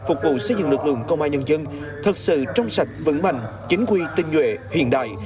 phục vụ xây dựng lực lượng công an nhân dân thật sự trong sạch vững mạnh chính quy tinh nhuệ hiện đại